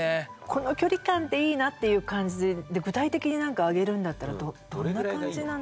この距離感っていいなっていう感じで具体的に何か挙げるんだったらどんな感じなの？